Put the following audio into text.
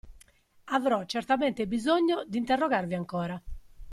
Avrò certamente bisogno d'interrogarvi ancora.